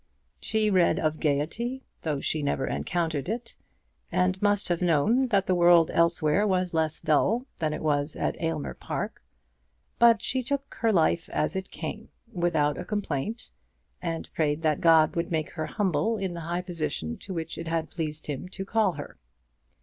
She read of gaiety, though she never encountered it, and must have known that the world elsewhere was less dull than it was at Aylmer Park. But she took her life as it came, without a complaint, and prayed that God would make her humble in the high position to which it had pleased Him to call her.